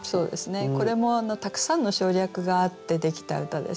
これもたくさんの省略があってできた歌ですね。